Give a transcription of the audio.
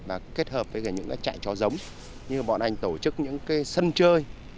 và kết hợp với những cái chạy chó giống như bọn anh tổ chức những cái sân chơi